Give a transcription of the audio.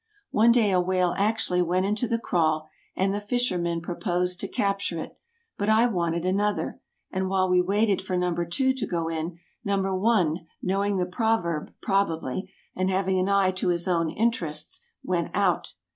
One day a whale actually went into the kraal, and the fishermen proposed to capture it; but I wanted another, and while we waited for number two to go in, number one knowing the proverb, probably, and having an eye to his own interests, went out.